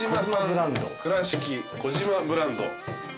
倉敷児島ブランド。